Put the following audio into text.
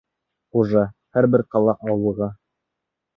Хужа һәр бер ҡала-ауылға.